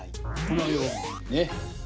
このようにね。